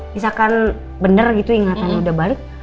misalkan benar gitu ingetannya udah balik